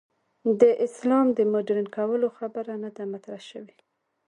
د اسلام د مډرن کولو خبره نه ده مطرح شوې.